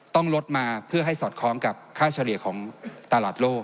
ต้องลดมาเพื่อให้สอดคล้องกับค่าเฉลี่ยของตลาดโลก